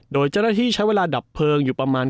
โดยเจ้าหน้าที่ใช้เวลาดับเพลิงอยู่ประมาณ